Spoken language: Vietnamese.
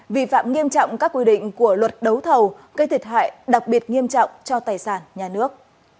vi phạm nghiêm trọng các quy định của luật đấu thầu gây thiệt hại đặc biệt nghiêm trọng cho tài sản nhà nước